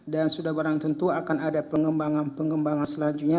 dan sudah barang tentu akan ada pengembangan pengembangan selanjutnya